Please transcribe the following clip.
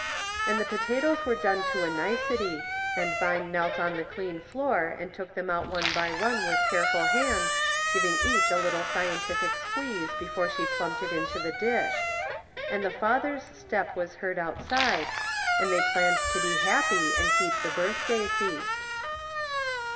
And the potatoes were done to a nicety, and Vine knelt on the clean floor, and took them out one by one with careful hand, giving each a little scientific squeeze before she plumped it into the dish ; and the father's step was heard outside, and they planned to be happy and keep the birthday feast.